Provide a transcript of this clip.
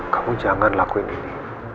kamu jangan lakuin ini